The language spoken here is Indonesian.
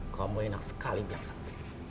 kamu enak sekali bilang sapi